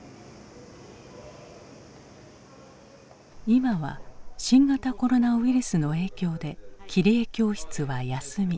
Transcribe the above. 今は新型コロナウイルスの影響で切り絵教室は休み。